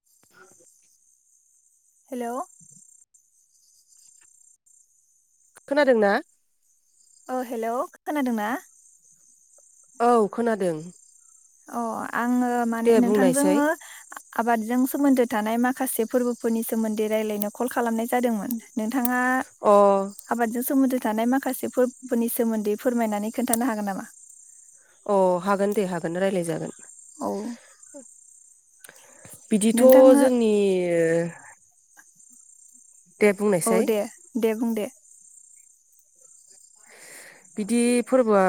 [inaudible] Hello खोनादों ना औ हेल' खोनादोंना औ खोनादों अ आङो माने दे नोंथां बुंनायसाय जोङोनो आबादजों सोमोन्दो थानाय माखासे फोरबोफोरनि सोमोन्दै रायज्लायनो कल खालामनाय जादोंमोन। नोंथाङा अ आबादजों सोमोनदो थानाय माखासे फोरबोफोरनि सोमोन्दै फोरमायनानै खोन्थानो हागोन नामा? अ हागोन दे हागोन रायज्लाय जागोन। औ [inaudible] बिदिथ' नोंथांनो जोंनि [inaudible] दे औ बुंनायसाय दे दे बुं दे बिदि फोरबोआ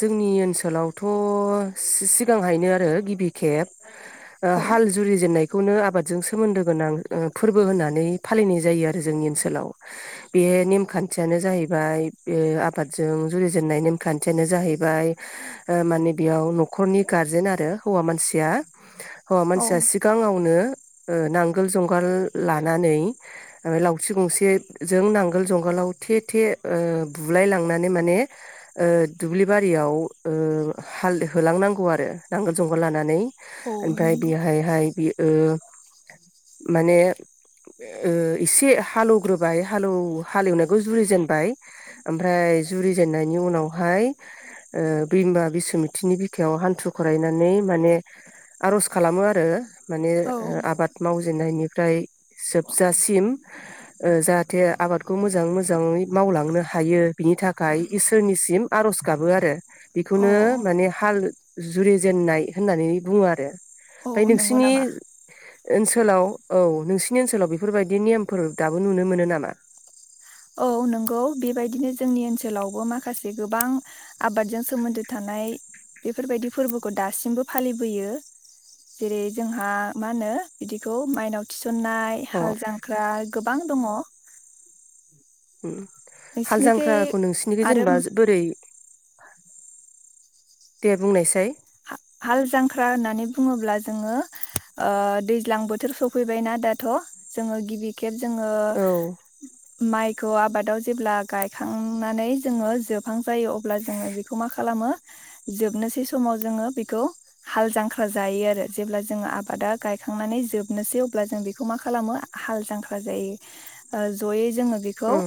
जोंनि ओनसोलावथ' सिगांहायनो आरो गिबि खेब औ हाल जुरिजेननायखौनो आबादजों सोमोन्दो गोनां फोरबो होननानै फालिनाय जायो आरो जोंनि ओनसोलाव बे नेमखान्थियानो जाहैबाय बे आबाद जों जुलिजेननाय नेमखान्थियानो जाहैबाय माने बेयाव न'खरनि गारजेन आरो हौवा मानसिया हौवा औ मानसिया सिगाङावनो नांगोल जुंगाल लानानै लावथि गंसेजों नांगोल जुंगालाव थे थे बुलाय लांना माने ओ दुब्लिबारियाव ओ हाल होलां नांगौ आरो नांगोल जुंगाल लानानै औ ओमफ्राय नंगौ बेहाय हाय मोने एसे हालवै जेनबाय जुरि जेनबाय ओमफ्राय जुरिजेननायनि उनावहाय ओ बिमा बिसुमिथिनि बिखायाव हान्थु खरायनानै माने आर'ज खालामो आरो माने औ आबाद मावजेननायनिफ्राय जोबजासिम जाहाथे आबादखौ मोजाङै मोजाङै मावलांनो हायो बिनि था थाखाय इसोरनिसिम आर'ज गाबो आरो औ बेखौनो माने हाल जुरिजेनन्नाय होननानै बुङो आरो औ ओमफ्राय नंगौ नोंसिनि नामा ओनसोलाव औ नोंसिनि ओनसोलाव बेफोरबायदि नेमफोर दाबो नुनो मोनो नामा? औ नंगौ बेबायदिनो जोंनि ओनसोलावबो माखासे गोबां आबादजों सोमोन्दो थानाय बेफोरबायदि फोरबोखौ दासिमबो फालिबोयो जेरै जोंहा मा होनो बिदिखौ माइनाव थि सननाय अ हाल जांख्रा गोबां दङ। उम हाल नोंसिनिखै जांख्राखौ नोंसिनिखौ आरो जेनेबा बोरै दे बुंनायसै हाल जांख्रा होननानै बुङोब्ला जोङो ओ दैज्लां बोथोर सफैबायनाा दाथ' जोङो गिबि खे ब जोङो औ माइ खौ आबादाव जेब्ला गायखांनानै जोङो जोबां जायो अब्ला जोङो बेखौ मा खालामो जोबनोसै समाव जोङो बे खौ हाल जांख्रा जायो आरो जेब्ला जोङो आबादा गायखांनानै जोबनोसै अब्ला जों बेखौ मा खालामो हाल जांख्रा जायो जयै जोङो बेखौ उम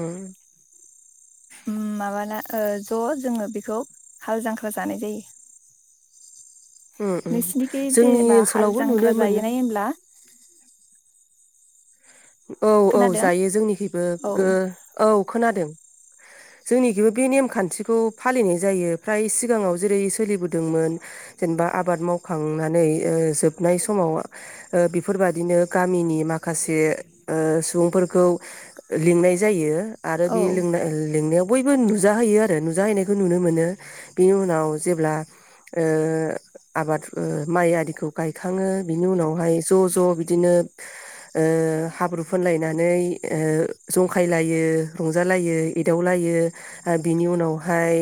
उम माबाना ओ ज' जोङो बेखौ हाल जांख्रा जानाय जायो। उम उम नोंसिनिखि जोंनि जेनेबा हाल ओनसोलावबो नुनो जांख्रा मोनो जायैनाय होमब्ला औ औ खोनादों जायो जोंनिखिबो औ औ खोनादों जोंनिखबो बे नेम खान्थिखौ फालिनाय जायो फ्राय सिगाङाव जेरै सोलिबोदोंमोन जेनेबा आबाद मावखांनानै जोबनाय समाव बेफोरबादिनो गामिनि माखासे ओ सुबुंफोरखौ लिंनाय जायो आरो औ बे लिंनाय लिंनायाव बयबो नुजाहैयो आरो नुजाहैनायखौ नुनो मोनो बिनि उनाव जेब्ला ओ आबाद माइ आरिखौ गायखाङो बिनि उनावहाय ज' ज' बिदिनो ओ हाब्रु फोनलायनानै जंखायलायो रंजालायो एदावलायो आरो बिनि उनावहाय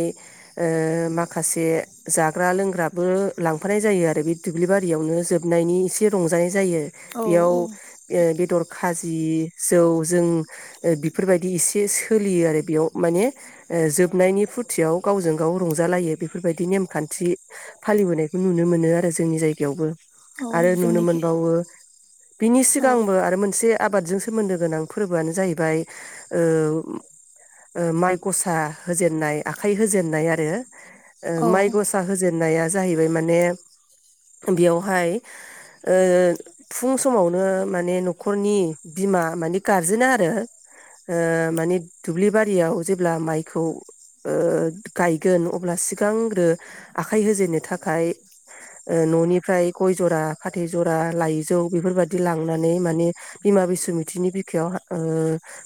माखासे ओ जाग्रा लोंग्राबो लांफानाय जायो आरो बे दुब्लि बारियावनो जोबनायनि एसे रंजानाय जायो औ बेयाव औ बेदर खाजि जौ जों बेफोरबायदि इसे सोलियो आरो बेयाव माने जोबनायनि फुरथियाव गावजों गाव रंजालायो बेफोरबायदि नेमखान्थि फालिबोनायखौ नुनो मोनो आरो जोंनि जायगायावबो औ आरो नुनो जोंनिखि मोनबावो बिनि औ सिगांबो आरो मोनसे मोनसे आबादजों सोमोन्दो गोनां फोरबोआनो जाहैबाय ओ माइ गसा होजेननाय आखाइ होजेननाय आरो औ माइ गसा होजेननाया जाहैबाय माने बेयावहाय ओ फुं समावनो माने नखरनि बिमा मानिे गारजेना आरो ओ माने दुब्लि बारियाव जेब्ला माइखौ गायगोन अब्ला सिगांग्रो आखाइ होजेननो थाखाय न'निफ्राय गय जरा फाथै जरा लाइजौ बेफोरबाददि लांनानै माने बिमा बिसुमितिनि बिखायाव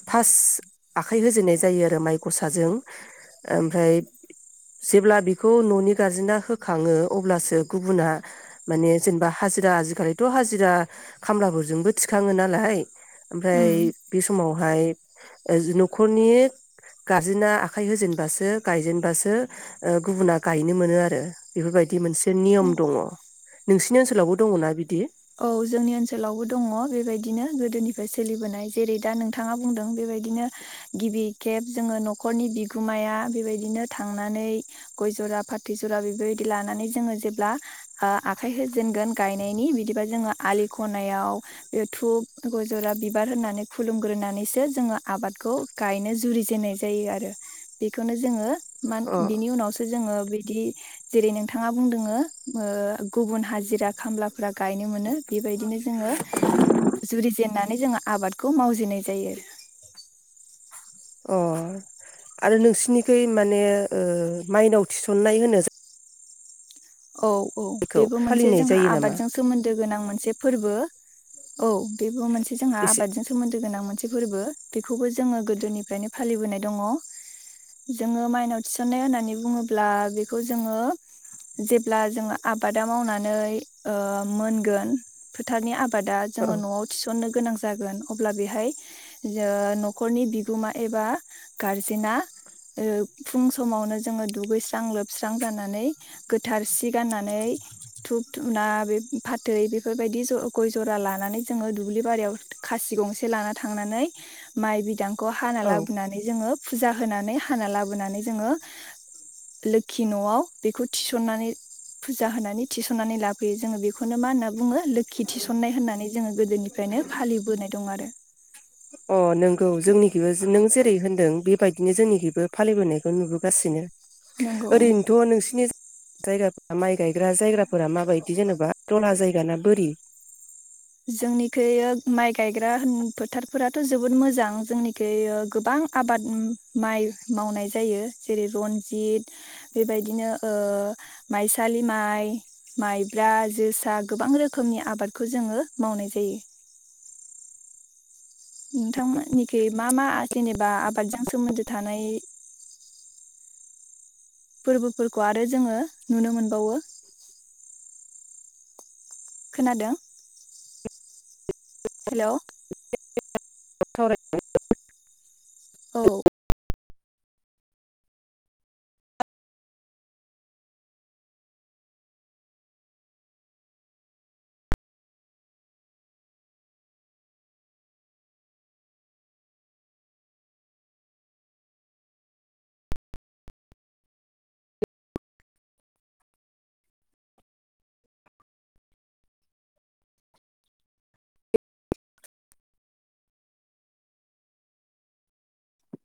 फार्स्ट आखाइ होजेननाय जायो आरो माइ गसाजों ओमफ्राय जेब्ला बेखौ न'नि गारजेना होखाङो अब्लासो गुबुना माने जेनेबा हाजिरा आजिखालिथ' हाजिरा खामलाफोरजोंबो थि थिखाङो नालाय ओमफ्राय उम बे समावहाय न'खरनि गारजेना आखाइ होजेनबासो गायजेनबासो गुबुना गायनो मोनो आरो बेफोरबायदि मोनसे नियम औ दङ नोंसिनि ओनसोलावबो दङना बिदि औ जोंनि ओनसोलावबो दङ बेबायदिनो गोदोनिफ्राय सोलिबोनाय जेरै दा नोंथाङा बुंदों बेबायदिनो गिबि खेब जोङो न'खरनि बिगोमाया बेबायदिनो थांनानै गय जरा फाथै जरा बेबायदि लानानै जोङो जेब्ला आखाइ होजेनगोन गायनायनि बिदि जोङो आलि खनायाव बे धुप गर जरा बिबार होनानै खुलुमग्रोनानैसो जोङो आबादखौ गायनो जुरिजेेननाय जायो आरो बेखौनो जोङो मान अ बिनि उनावसो जोङो बिदि जेरै नोंथाङा बुंदों ओ गुबुन हाजिरा खामलाफोरा गायनो मोनो बेबायदिनो जोङो जुरि जेननानै जोंङो आबादखौ मावजेननाय जायो। अह आरो नोंसिनिखै माने ओ माइनाव थिसननाय होनो औ औ जायखौ बेबो मोनसे फालिनाय जोंहा जायो नामा आबादजों सोमोन्दो गोनां मोनसे फोरबो औ बेबो मोनसे जोंहा एसे आबादजों सोमोन्दो गोनां मोनसे से फोरबो बेखौबो जोङो गोदोनिफ्रायनो फालिबोनाय दङ जोङो माइनाव थिसननाय होननानै बुङोब्ला बेखौ जोङो जेब्ला जोङो आबादा मावनानै मोनगोन फोथारनि आबाद बादा औ जोङो न'आव थिसननो गोनां जागोन अब्ला बेहाय न'खरनि बिगोमा एबा गारजेना फुं समावनो जोङो दुगैस्रां लोबस्रां जानानै गोथार सि गाननानै धप धुना बे फाथै बेफोरबायदि गय जरा लानानै जोङो दुब्लि बारियाव खासि गंसे लाना थांनानै माइ बिदां खौ हाना औ लाबोनानै जोङो फुजा होनानै हाना लाबोनानै जोङो लोखि न'आव बेखौ थिसननानै फुजा होनानै थिसन सननानै लाफैयो जोङो बेखौ बेखौनो मा होनना बुङो लोखि थिसननाय होननानै जोङो गोदोनिफ्रायनो फालिबोनाय दं आरो अ नोंगौ जोंनिखबो नों जेरै होनदों बेबायदिनो जोंनिखबो फालिबोनायखौ नुबोगासिनो नंगौ ओरैनोथ' नोंसिनि जायगाफोरा माइ गायग्रा जायगाफोरा माबायदि जेन'बा दलहा जायगाना बोरि जोंनिखै माइ गायग्रा फोथारफोराथ' जोबोद मोजां जोंनिखै गोबां आबाद माइ मावनाय जायो जेरै रनजित बेबायदिनो माइसालि माइ माइब्रा जोसा गोबां रोखोमनि आबादखौ जोङो मावनाय जायो। नोंथांमोननिखै मा मा जेनेबा बा आबादजों सोमोन्दो थानाय फोरबोफोरखौ आरो जोङो नुनो मोनबावो खोनादों हेल औ [unintelligible]